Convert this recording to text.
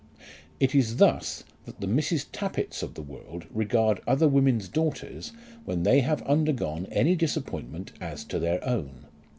It is thus that the Mrs. Tappitts of the world regard other women's daughters when they have undergone any disappointment as to their own.